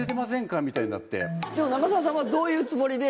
長澤さんはどういうつもりで？